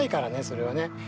それはね。